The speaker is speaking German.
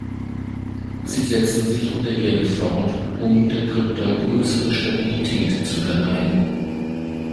Sie setzen sich in der Erde fort, um der Krypta größere Stabilität zu verleihen.